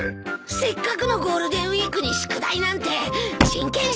せっかくのゴールデンウィークに宿題なんて人権侵害です！